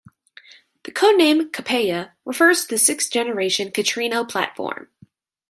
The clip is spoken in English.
The codename Calpella refers to the sixth-generation Centrino platform.